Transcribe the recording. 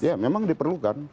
ya memang diperlukan